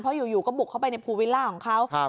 เพราะอยู่ก็บุกเข้าไปในภูวิลล่าของเขา